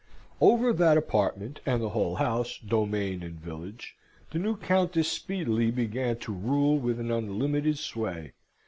Over that apartment, and the whole house, domain, and village, the new Countess speedily began to rule with an unlimited sway.